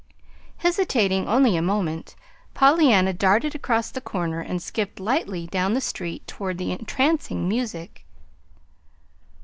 Hesitating only a moment Pollyanna darted across the corner and skipped lightly down the street toward the entrancing music.